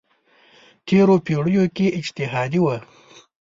تېرو پېړیو کې اجتهادي وه.